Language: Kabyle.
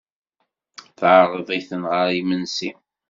Teɛreḍ-iten ɣer yimensi.